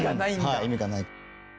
はい意味がない。